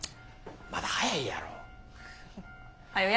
まだ早いやろ。はよ